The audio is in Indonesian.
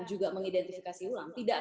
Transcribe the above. juga mengidentifikasi ulang